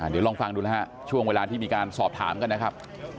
เดี๋ยวลองฟังดูนะฮะช่วงเวลาที่มีการสอบถามกันนะครับ